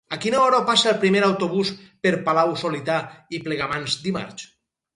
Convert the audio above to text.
A quina hora passa el primer autobús per Palau-solità i Plegamans dimarts?